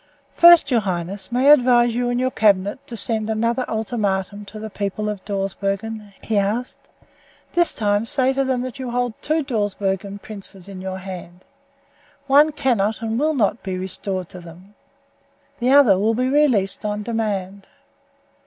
"First, your highness, may I advise you and your cabinet to send another ultimatum to the people of Dawsbergen?" he asked. "This time say to them that you hold two Dawsbergen princes in your hand. One cannot and will not be restored to them. The other will be released on demand.